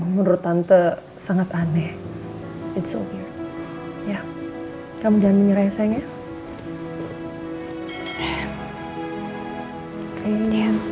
menurut tante sangat aneh itu ya kamu jangan menyerah sayangnya